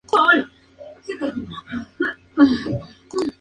Un ataque de un francotirador crea preguntas y dudas en el nuevo gobierno.